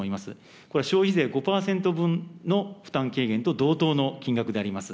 これは消費税５％分と同等の負担軽減と同等の金額であります。